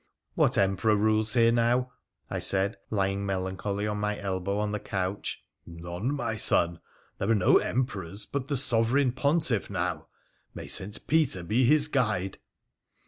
' What Emperor rules here now ?' I said, lying melancholy on my elbow on the couch. ' None, my son. There are no Emperors but the Sovereign Pontiff now — may St. Peter be his guide